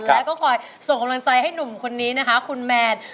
และก็คอยส่งกำลังใจให้หนุ่มคนนี้นะคะคุณแมน